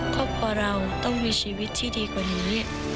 ก็เพราะเราต้องมีชีวิตที่ดีกว่านี้